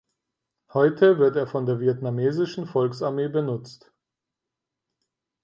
Heute wird er von der Vietnamesischen Volksarmee benutzt.